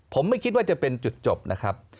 ผมไม่คิดว่าจะเป็นจุดจบนะครับ